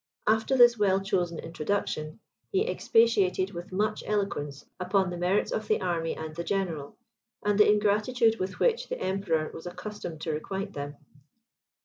After this well chosen introduction, he expatiated with much eloquence upon the merits of the army and the general, and the ingratitude with which the Emperor was accustomed to requite them.